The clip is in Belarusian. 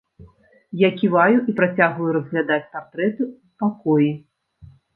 Я ківаю і працягваю разглядаць партрэты ў пакоі.